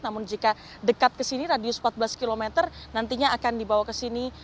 namun jika dekat ke sini radius empat belas km nantinya akan dibawa ke sini